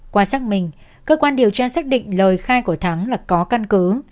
qua xác minh cơ quan điều tra xác định lời khai của thắng là có căn cứ